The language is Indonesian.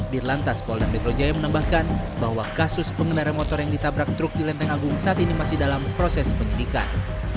di lantas polda metro jaya menambahkan bahwa kasus pengendara motor yang ditabrak truk di lenteng agung saat ini masih dalam proses penyidikan